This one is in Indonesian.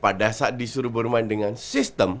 pada saat disuruh bermain dengan sistem